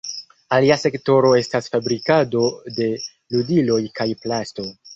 Alia sektoro estas fabrikado de ludiloj kaj plasto.